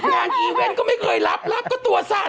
อีเวนต์ก็ไม่เคยรับรับก็ตัวสั้น